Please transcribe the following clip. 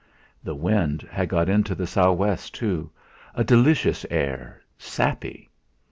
The wind had got into the sou' west, too a delicious air, sappy!